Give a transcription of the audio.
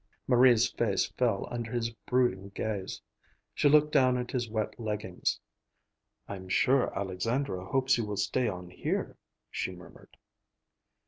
Marie's face fell under his brooding gaze. She looked down at his wet leggings. "I'm sure Alexandra hopes you will stay on here," she murmured.